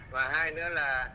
và hai nữa là